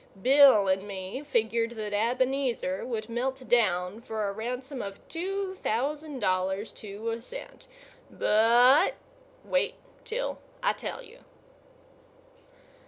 Bill and me figured that Ebenezer would melt down for a ransom of two thousand dollars to a cent. But wait till I tell you.